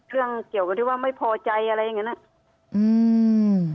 เรื่องเกี่ยวกับที่ว่าไม่พอใจอะไรอย่างเงี้น่ะอืม